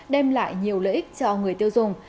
đem lại nhiều lợi ích cho người tiêu dùng